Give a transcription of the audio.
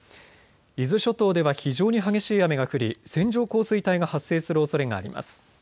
伊豆諸島では非常に激しい雨が降り線状降水帯が発生するおそれがあります。